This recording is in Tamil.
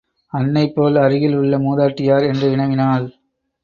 அன்னைபோல் அருகில் உள்ள மூதாட்டி யார்? என்று வினவினாள்.